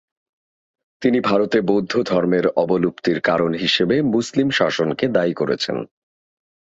তিনি ভারতে বৌদ্ধধর্মের অবলুপ্তির কারণ হিসেবে মুসলিম শাসনকে দায়ী করেছেন।